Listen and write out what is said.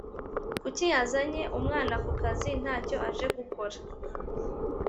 Kuki yazanye umwana kukazi ntacyo aje gukora